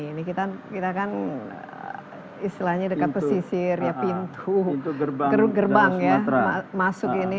ini kita kan istilahnya dekat pesisir pintu gerbang ya masuk ini